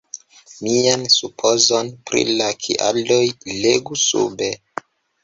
Mian supozon pri la kialoj legu sube.